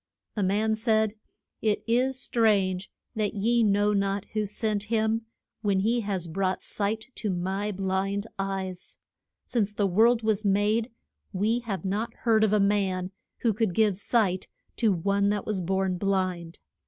The man said, It is strange that ye know not who sent him, when he has brought sight to my blind eyes. Since the world was made we have not heard of a man who could give sight to one that was born blind.